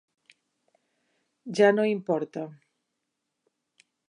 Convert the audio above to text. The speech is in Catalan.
Ja no importa.